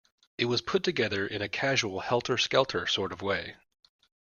It was put together in a casual, helter-skelter sort of way.